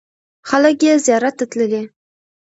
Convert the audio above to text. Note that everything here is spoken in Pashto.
خلک یې زیارت ته تللي.